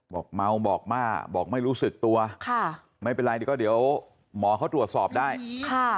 บอกเมาบอกม่าบอกไม่รู้สึกตัวค่ะไม่เป็นไรเดี๋ยวก็เดี๋ยวหมอเขาตรวจสอบได้ค่ะ